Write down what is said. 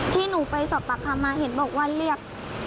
ที่หนูไปสอบปากคำมาเห็นบอกว่าเรียก